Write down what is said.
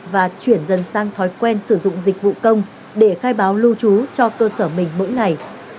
và chuyển dần sang thói quen sử dụng dịch vụ công để khai báo lưu trú cho cơ sở mình mỗi ngày